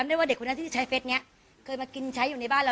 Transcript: มันถึงเป็นเด็กกว่าเราจำได้ว่าเด็กคุณนั้นที่ใช้เฟสเนี่ยมันกินและใช้อยู่ในบ้านเรา